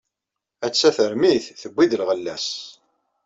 Atta termit tewwi-d lɣella-s.